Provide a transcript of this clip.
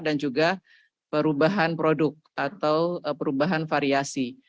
dan juga perubahan produk atau perubahan variasi